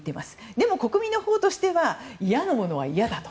でも、国民のほうとしてはいやなものはいやだと。